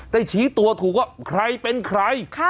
ชี้ตัวถูกว่าใครเป็นใคร